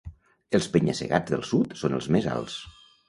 Els penya-segats del sud són els més alts.